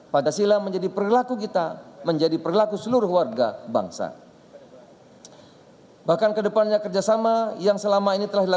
pancasila menjadi perlaku kita menjadi perlaku seluruh warga bangsa